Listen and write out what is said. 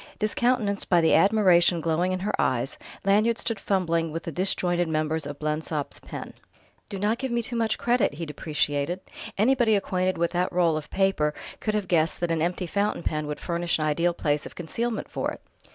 Discountenanced by the admiration glowing in her eyes, Lanyard stood fumbling with the disjointed members of Blensop's pen. "Do not give me too much credit," he depreciated: "anybody acquainted with that roll of paper could have guessed that an empty fountain pen would furnish an ideal place of concealment for it.